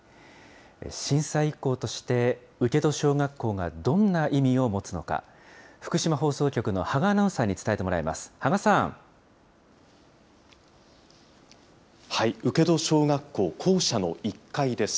震災遺構として、請戸小学校がどんな意味を持つのか、福島放送局の芳賀アナウンサーに伝えてもらいます。